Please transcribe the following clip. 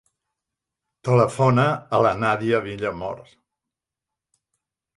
Telefona a la Nàdia Villamor.